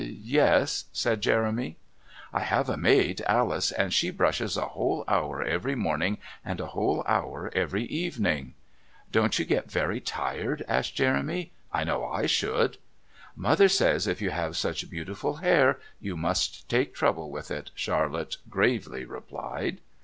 "Yes," said Jeremy. "I have a maid, Alice, and she brushes a whole hour every morning and a whole hour every evening." "Don't you get very tired?" asked Jeremy. "I know I should." "Mother says if you have such beautiful hair you must take trouble with it," Charlotte gravely replied.